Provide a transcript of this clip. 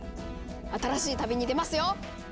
新しい旅に出ますよ！